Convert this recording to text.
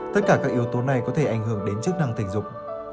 tất cả các yếu tố này có thể ảnh hưởng đến chức năng tình dục